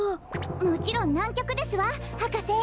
もちろんなんきょくですわはかせ。